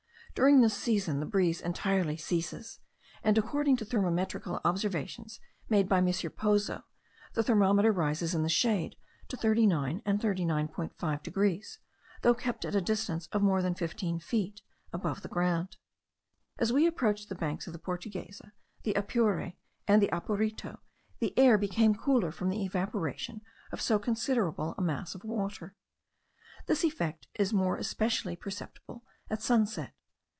During this season the breeze entirely ceases; and, according to good thermometrical observations made by M. Pozo, the thermometer rises in the shade to 39 and 39.5 degrees, though kept at the distance of more than fifteen feet from the ground. As we approached the banks of the Portuguesa, the Apure, and the Apurito, the air became cooler from the evaporation of so considerable a mass of water. This effect is more especially perceptible at sunset.